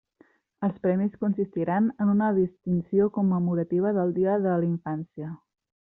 Els premis consistiran en una distinció commemorativa del Dia de la Infància.